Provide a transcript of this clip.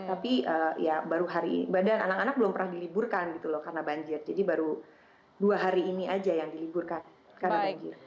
tapi ya baru hari ini badan anak anak belum pernah diliburkan gitu loh karena banjir jadi baru dua hari ini aja yang diliburkan karena banjir